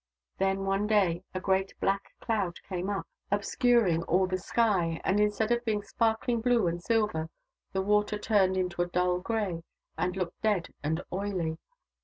Then one day a great black cloud came up, obscuring all the sky, and instead of being sparkling blue and silver, the water turned to a dull grey and looked dead and oily.